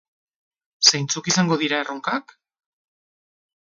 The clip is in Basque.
Zeintzuk izango dira erronkak?